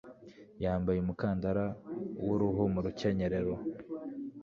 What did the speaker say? Yambaye umukandara w'uruhu mu rukenyerero.